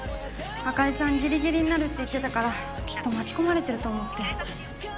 朱梨ちゃんギリギリになるって言ってたからきっと巻き込まれてると思って。